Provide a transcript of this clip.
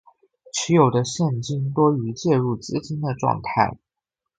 持有的现金多于借入资金的状态